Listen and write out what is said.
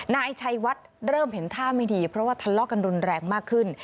นายชัยวัดเริ่มเห็นท่าไม่ดีเพราะว่าทะเลาะกันรุนแรงมากขึ้น